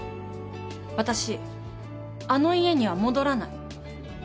私あの家には戻らない。